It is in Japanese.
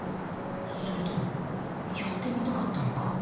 それともやってみたかったのか？